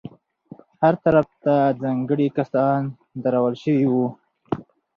هر طرف ته ځانګړي کسان درول شوي وو.